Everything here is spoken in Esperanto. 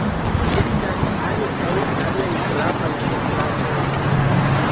Estas ankaŭ aliaj gravaj pentraĵoj.